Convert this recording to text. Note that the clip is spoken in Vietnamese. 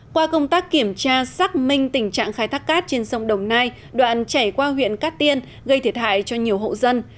qua công tác kiểm tra xác minh tình trạng khai thác cát trên sông đồng nai đoạn chảy qua huyện cát tiên gây thiệt hại cho nhiều hộ dân